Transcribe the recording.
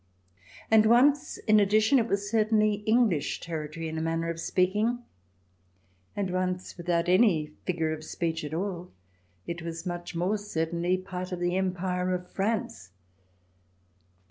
And once in addition it was certainly English territory in a manner of speaking, and once 212 THE DESIRABLE ALIEN [ch. xvi without any figure of speech at all, it was much more certainly part of the Empire of France.